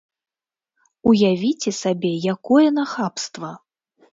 Уявіце сабе, якое нахабства!